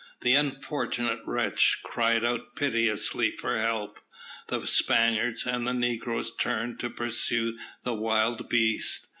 The unfortunate wretch cried out piteously for help. The Spaniards and the negroes turned to pursue the wild beast.